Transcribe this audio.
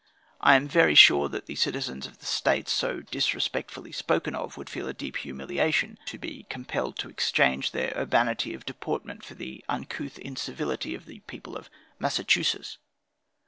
I am very sure, that the citizens of the States so disrespectfully spoken of, would feel a deep humiliation, to be compelled to exchange their urbanity of deportment, for the uncouth incivility of the people of Massachusetts.